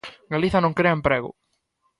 Galiza non crea emprego.